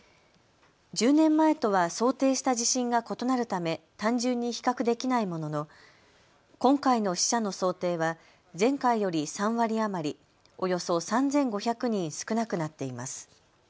１０年前とは想定した地震が異なるため単純に比較できないものの今回の死者の想定は前回より３割余りおよそ３５００人少なくなっています。